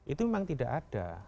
itu memang tidak ada